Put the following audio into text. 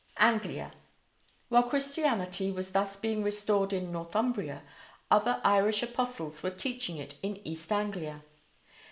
ANGLIA: While Christianity was thus being restored in Northumbria, other Irish apostles were teaching it in East Anglia.